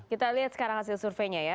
kita lihat sekarang hasil surveinya ya